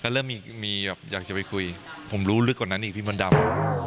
เริ่มมีแบบอยากจะไปคุยผมรู้ลึกกว่านั้นอีกพี่มดดำ